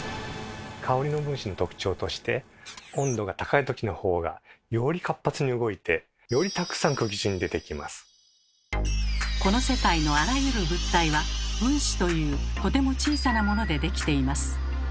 香りの分子の特徴としてこの世界のあらゆる物体は分子というとても小さなものでできています。